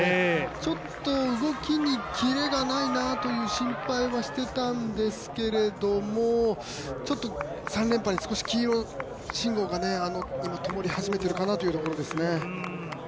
ちょっと動きにキレがないなという心配はしていたんですけども、ちょっと３連覇に黄色信号が今、ともり始めているかなというところです。